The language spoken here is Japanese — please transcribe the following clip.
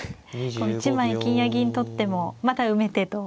１枚金や銀取ってもまた埋めてと。